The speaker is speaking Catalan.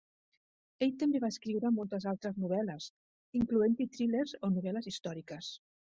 Ell també va escriure moltes altres novel·les, incloent-hi thrillers o novel·les històriques.